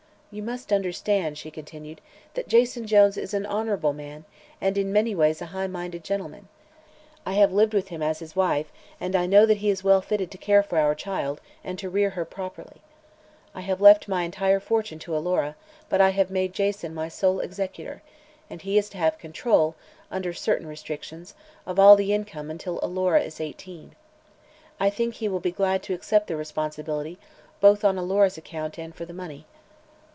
"You must understand," she continued, "that Jason Jones is an honorable man and in many ways a high minded gentleman. I have lived with him as his wife and I know that he is well fitted to care for our child and to rear her properly. I have left my entire fortune to Alora, but I have made Jason my sole executor, and he is to have control, under certain restrictions, of all the income until Alora is eighteen. I think he will be glad to accept the responsibility, both on Alora's account and for the money."